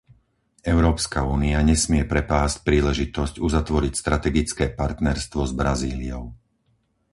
Európska únia nesmie prepásť príležitosť uzatvoriť strategické partnerstvo s Brazíliou.